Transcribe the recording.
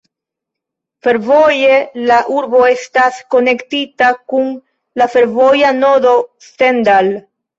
Fervoje la urbo estas konektita kun la fervoja nodo Stendal.